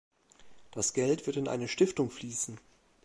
Das Geld wird in eine Stiftung fließen.